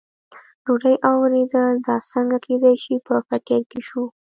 ډوډۍ او ورېدل، دا څنګه کېدای شي، په فکر کې شو.